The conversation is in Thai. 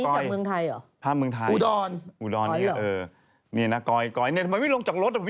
เขาส่งเมื่อแหละภีร์กองก้อยมีจริงเห็นไหม